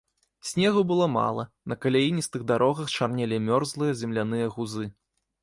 Снегу было мала, на каляіністых дарогах чарнелі мёрзлыя земляныя гузы.